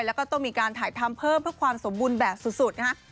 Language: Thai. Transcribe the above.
แล้วก็ต้องมีการถ่ายทำเพิ่มเพื่อความสมบูรณ์แบบสุดนะฮะ